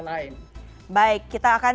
lain baik kita akan